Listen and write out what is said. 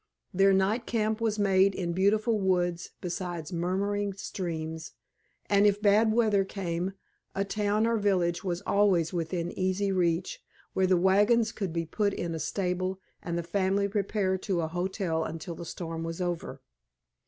Their night camp was made in beautiful woods beside murmuring streams, and if bad weather came a town or village was always within easy reach, where the wagons could be put in a stable and the family repair to a hotel until the storm was over.